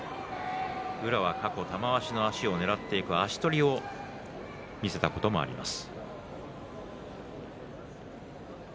宇良は過去、玉鷲の足を狙っていく足取りを見せたこともあります。